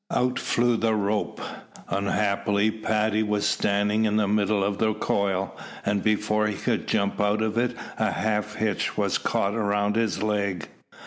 Out flew the rope. Unhappily, Paddy was standing in the middle of the coil, and before he could jump out of it a half hitch was caught round his leg.